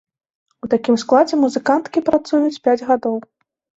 У такім складзе музыканткі працуюць пяць гадоў.